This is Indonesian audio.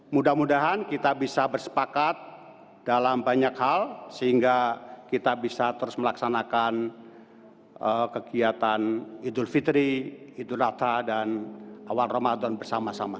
mudah mudahan kita bisa bersepakat dalam banyak hal sehingga kita bisa terus melaksanakan kegiatan idul fitri idul adha dan awal ramadan bersama sama